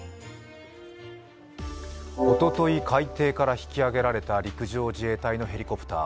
おととい海底から引き揚げられた陸上自衛隊のヘリコプター。